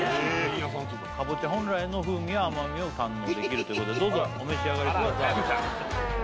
本来の風味甘みを堪能できるということでどうぞお召し上がりください